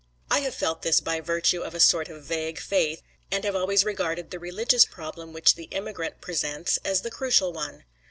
I have felt this by virtue of a sort of vague faith, and have always regarded the religious problem which the immigrant presents, as the crucial one.